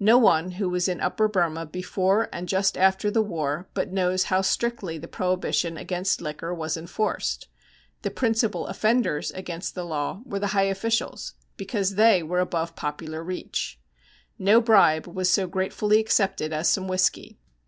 No one who was in Upper Burma before and just after the war but knows how strictly the prohibition against liquor was enforced. The principal offenders against the law were the high officials, because they were above popular reach. No bribe was so gratefully accepted as some whisky.